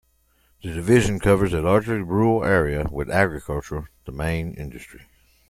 The Division covers a largely rural area, with agriculture the main industry.